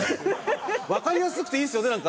わかりやすくていいですよねなんか。